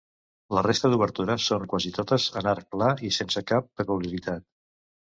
La resta d'obertures són quasi totes en arc pla i sense cap peculiaritat.